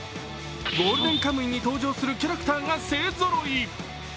「ゴールデンカムイ」に登場するキャラクターが勢ぞろい。